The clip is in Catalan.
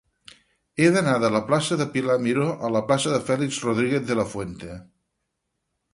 He d'anar de la plaça de Pilar Miró a la plaça de Félix Rodríguez de la Fuente.